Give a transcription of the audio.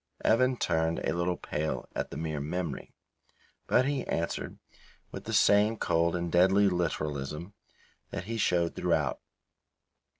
Evan turned a little pale at the mere memory, but he answered with the same cold and deadly literalism that he showed throughout.